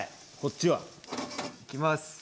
こっちは。いきます。